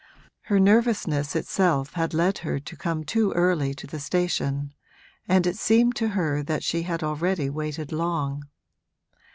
Her nervousness itself had led her to come too early to the station, and it seemed to her that she had already waited long.